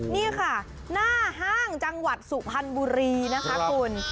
นี่ค่ะหน้าห้างจังหวัดสุพรรณบุรีนะคะคุณ